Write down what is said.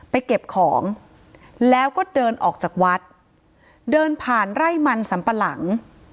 เก็บของแล้วก็เดินออกจากวัดเดินผ่านไร่มันสัมปะหลัง